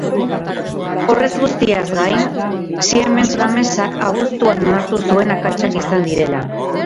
Horrez guztiaz gain, Siemens Gamesak abuztuan onartu zuen akatsak izan direla.